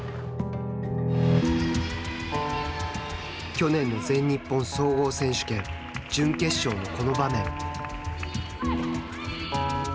去年の全日本総合選手権準決勝のこの場面。